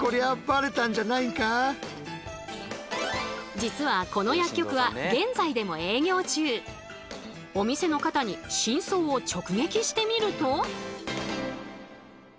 実はこの薬局はお店の方に真相を直撃してみると。